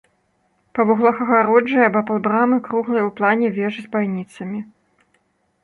Па вуглах агароджы і абапал брамы круглыя ў плане вежы з байніцамі.